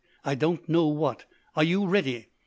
I don't know what. Are you ready?"